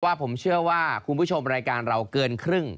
ว่าผมเชื่อว่าคุณผู้ชมรายการเราเกินครึ่ง